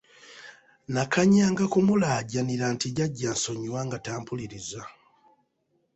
Nakanyanga kumulaajanira nti Jjajja nsonyiwa nga tampuliriza.